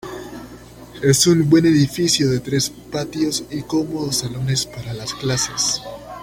Es un buen edificio de tres patios y cómodos salones para las clases".